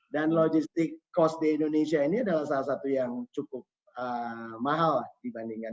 dan logistik kos di indonesia ini adalah salah satu yang cukup mahal dibandingkan